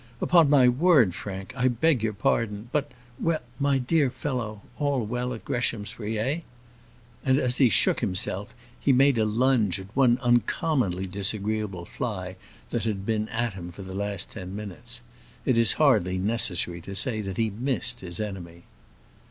"Upon my word, Frank, I beg your pardon; but well, my dear fellow, all well at Greshamsbury eh?" and as he shook himself, he made a lunge at one uncommonly disagreeable fly that had been at him for the last ten minutes. It is hardly necessary to say that he missed his enemy.